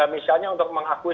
misalnya untuk mengakui